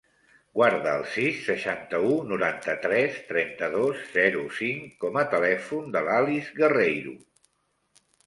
Guarda el sis, seixanta-u, noranta-tres, trenta-dos, zero, cinc com a telèfon de l'Alice Guerreiro.